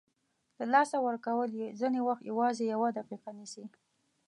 له لاسه ورکول یې ځینې وخت یوازې یوه دقیقه نیسي.